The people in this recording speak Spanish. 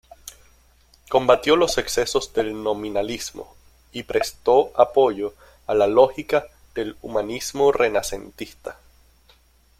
Combatió los excesos del Nominalismo y prestó apoyo a la lógica del humanismo renacentista.